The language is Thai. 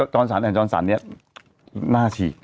จอลสันจอลสันนี้น่าฉีด